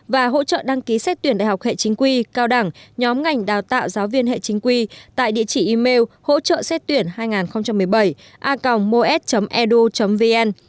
và hỗ trợ đăng ký xét tuyển đại học hệ chính quy cao đẳng nhóm ngành đào tạo giáo viên hệ chính quy tại địa chỉ email hỗ trợ xét tuyển hai nghìn một mươi bảy a gmos edu vn